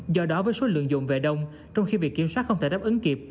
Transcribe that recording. do đó với số lượng dùng về đông trong khi việc kiểm soát không thể đáp ứng kịp